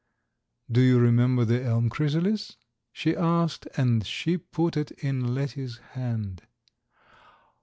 "Do you remember the elm chrysalis?" she asked, and she put it in Letty's hand.